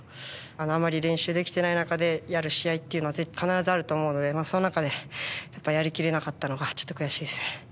あまり練習できていない中でやる試合というのは必ずあると思うのでその中でやりきれなかったのがちょっと悔しいですね。